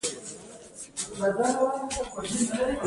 فریدریک نیچه وایي باور له لاسه ورکول پریشاني ده.